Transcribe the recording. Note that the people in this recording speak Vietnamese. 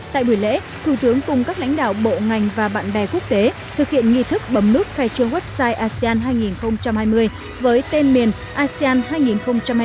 tại buổi lễ thủ tướng cùng các lãnh đạo bộ ngành và bạn bè quốc tế thực hiện nghi thức bấm nút khai trương website asean hai nghìn hai mươi với tên miền asean hai nghìn hai mươi vn và thực hiện lễ thượng cờ asean